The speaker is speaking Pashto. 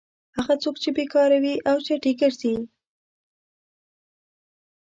هغه څوک چې بېکاره وي او چټي ګرځي.